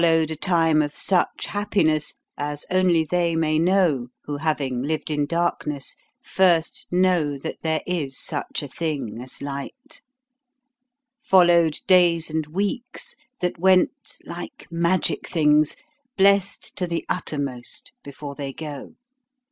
Followed a time of such happiness as only they may know who having lived in darkness first know that there is such a thing as Light; followed days and weeks that went like magic things, blest to the uttermost before they go.